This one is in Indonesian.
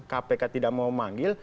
kpk tidak mau memanggil